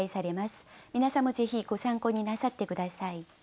皆さんもぜひご参考になさって下さい。